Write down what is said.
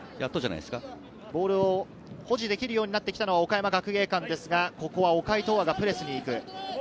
ボールを保持できるようになってきたのは岡山学芸館ですが、岡井陶歩がプレスに行く。